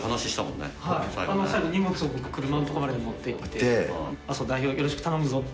最後、荷物を僕、車の所に持っていって、麻生、代表よろしく頼むぞって。